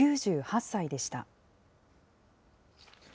９８歳でした。